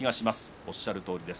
おっしゃるとおりです。